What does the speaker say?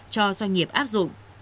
cho doanh nghiệp áp dụng